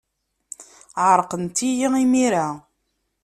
Ɛerqent-iyi imir-a.